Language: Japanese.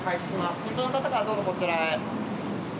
先頭の方からどうぞこちらへ。